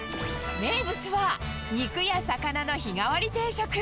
名物は、肉や魚の日替わり定食。